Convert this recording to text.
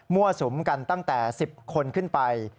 สุมกันตั้งแต่๑๐คนขึ้นไป